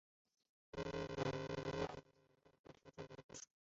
拟酒眼蝶属是眼蝶亚科眼蝶族眼蝶亚族中的一个属。